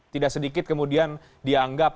tidak sedikit kemudian dianggap